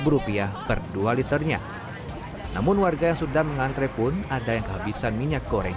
rupiah per dua liternya namun warga yang sudah mengantre pun ada yang kehabisan minyak goreng